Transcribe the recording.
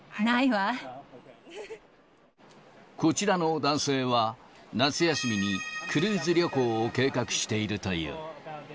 こちらの男性は、夏休みにクルーズ旅行を計画しているという。